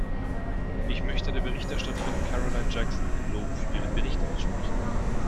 Ich möchte der Berichterstatterin Caroline Jackson ein Lob für ihren Bericht aussprechen.